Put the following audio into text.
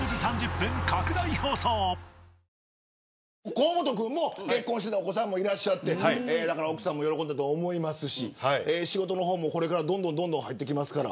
河本君も結婚してお子さんがいて奥さんも喜んだと思いますし仕事もこれからどんどん入ってきますから。